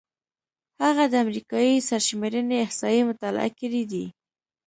هغه د امریکايي سرشمېرنې احصایې مطالعه کړې دي.